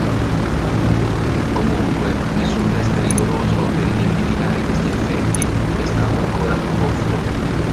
Comunque, nessun test rigoroso per identificare questi effetti è stato ancora proposto.